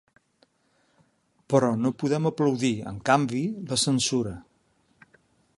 Però no podem aplaudir, en canvi, la censura.